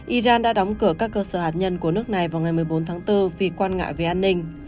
iran đã đóng cửa các cơ sở hạt nhân của nước này vào ngày một mươi bốn tháng bốn vì quan ngại về an ninh